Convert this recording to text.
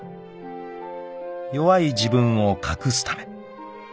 ［弱い自分を隠すため］